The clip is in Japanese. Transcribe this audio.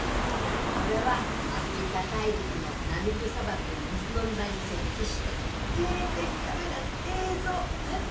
それはアフリカ大陸のナミブ砂漠の水飲み場に設置した定点カメラの映像えっ